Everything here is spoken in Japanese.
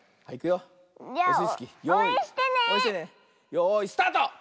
よいスタート！